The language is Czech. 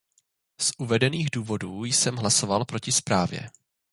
Z uvedených důvodů jsem hlasoval proti zprávě.